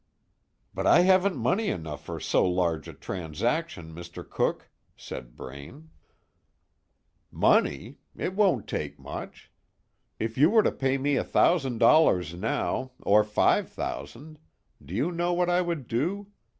"But I haven't money enough for so large a transaction, Mr. Cooke," said Braine. "Money? It won't take much. If you were to pay me a thousand dollars now, or five thousand, do you know what I would do?